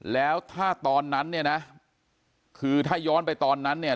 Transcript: แล้วถ้าตอนนั้นเนี่ยนะคือถ้าย้อนไปตอนนั้นเนี่ย